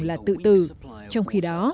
là tự tử trong khi đó